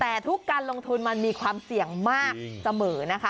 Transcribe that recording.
แต่ทุกการลงทุนมันมีความเสี่ยงมากเสมอนะคะ